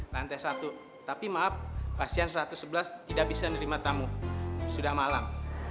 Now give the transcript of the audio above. lantai satu tapi maaf pasien satu ratus sebelas tidak bisa menerima tamu sudah malam